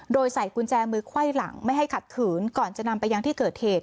โดยใส่กุญแจมือไขว้หลังไม่ให้ขัดขืนก่อนจะนำไปยังที่เกิดเหตุ